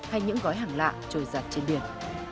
hay những gói hàng lạ trôi giặt trên biển